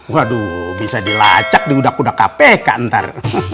waduh bisa dilacak di udak udak kpk ntar